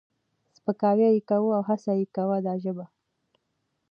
سپکاوی یې کوي او هڅه کوي دا ژبه